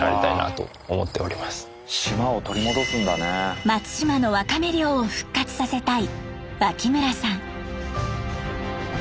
これは松島のワカメ漁を復活させたい脇村さん。